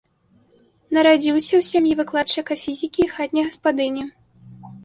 Нарадзіўся ў сям'і выкладчыка фізікі і хатняй гаспадыні.